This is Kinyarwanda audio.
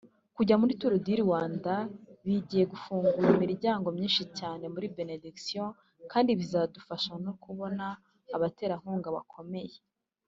Kujya muri Tour du Rwanda bigeye gufungura imiryango myinshi cyane muri Benediction kandi bizadufasha no kubona abaterankunga bakomeye